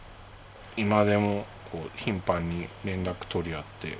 今でも頻繁に連絡取り合って。